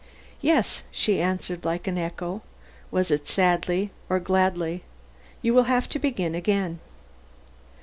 "Yes," she answered like an echo was it sadly or gladly? "you will have to begin again."